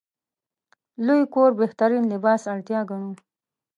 لوی کور بهترین لباس اړتیا ګڼو.